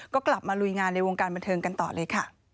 ก็กลับมาลุยงานในวงการบันเทิงกันต่อเลยค่ะ